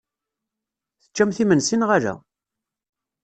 Teččamt imensi neɣ ala?